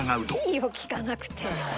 いいよ聞かなくて。